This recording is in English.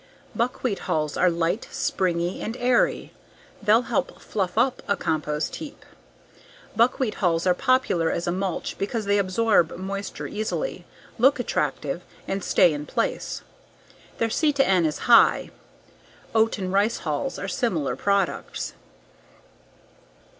Buckwheat hulls are light, springy, and airy. They'll help fluff up a compost heap. Buckwheat hulls are popular as a mulch because they adsorb moisture easily, look attractive, and stay in place. Their C/N is high. Oat and rice hulls are similar products.